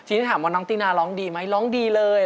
ทีนี้ถามว่าน้องตินาร้องดีไหมร้องดีเลย